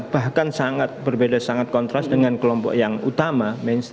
bahkan sangat berbeda sangat kontras dengan kelompok yang utama